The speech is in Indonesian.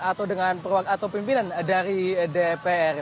atau dengan pimpinan dari dpr